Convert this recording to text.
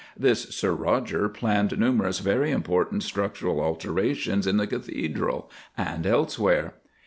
This Sir Rodger planned numerous very important structural alterations in the Cathedral and elsewhere."